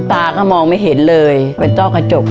ตาก็มองไม่เห็นเลยเป็นต้อกระจก